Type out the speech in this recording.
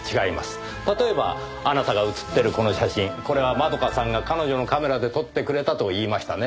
例えばあなたが写っているこの写真これは円香さんが彼女のカメラで撮ってくれたと言いましたね。